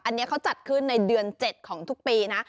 อันนี้เขาจัดขึ้นในเดือน๗ของทุกปีนะ